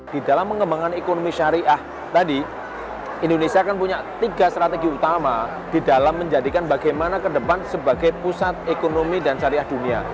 di dalam pengembangan ekonomi syariah tadi indonesia kan punya tiga strategi utama di dalam menjadikan bagaimana ke depan sebagai pusat ekonomi dan syariah dunia